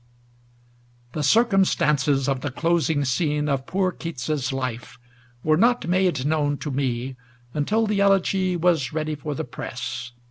The circumstances of the closing scene of poor Keats's life were not made known to me until the Elegy was ready for the press.